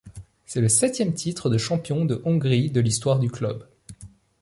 C'est le septième titre de champion de Hongrie de l'histoire du club.